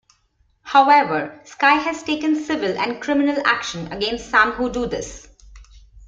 However, Sky has taken civil and criminal action against some who do this.